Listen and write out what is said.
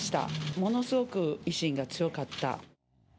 ものすごく維新が強かった。